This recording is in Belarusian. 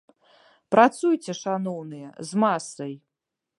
Працуйце, шаноўныя, з масай!